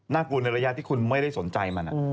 กลัวในระยะที่คุณไม่ได้สนใจมัน